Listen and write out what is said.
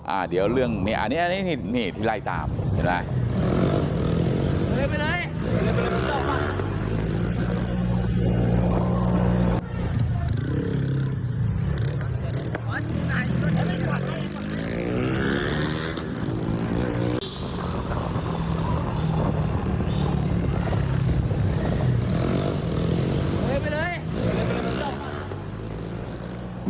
เดี๋ยวเรื่องนี้อันนี้ที่ไล่ตามเห็นไหม